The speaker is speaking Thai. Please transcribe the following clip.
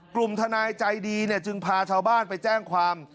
กลุ่มทนายใจดีจึงพาชาวบ้านไปแจ้งความ